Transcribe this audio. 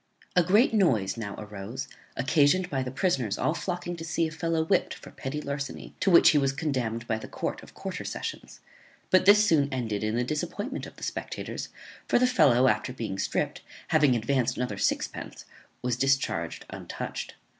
A great noise now arose, occasioned by the prisoners all flocking to see a fellow whipt for petty larceny, to which he was condemned by the court of quarter sessions; but this soon ended in the disappointment of the spectators; for the fellow, after being stript, having advanced another sixpence, was discharged untouched.